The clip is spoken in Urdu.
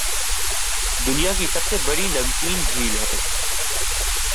دنیاکی سب سے بڑی نمکین جھیل ہے